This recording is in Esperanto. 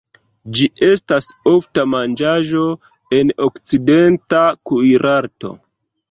Ĝi estas ofta manĝaĵo en okcidenta kuirarto.